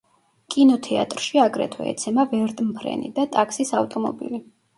კინოთეატრში აგრეთვე ეცემა ვერტმფრენი და ტაქსის ავტომობილი.